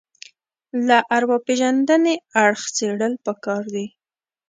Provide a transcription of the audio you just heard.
له ارواپېژندنې اړخ څېړل پکار دي